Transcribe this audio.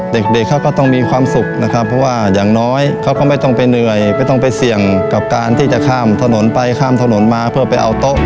เด็กเด็กเขาก็ต้องมีความสุขนะครับเพราะว่าอย่างน้อยเขาก็ไม่ต้องไปเหนื่อยไม่ต้องไปเสี่ยงกับการที่จะข้ามถนนไปข้ามถนนมาเพื่อไปเอาโต๊ะ